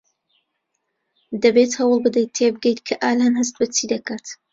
دەبێت هەوڵ بدەیت تێبگەیت کە ئالان هەست بە چی دەکات.